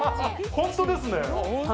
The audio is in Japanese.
本当ですね。